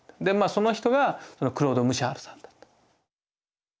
その人がクロード・ムシャールさんだった。